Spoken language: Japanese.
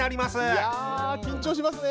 いや緊張しますね。